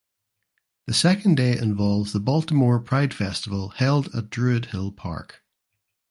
The second day involves the Baltimore Pride Festival held at Druid Hill Park.